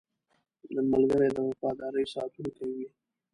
ملګری د وفادارۍ ساتونکی وي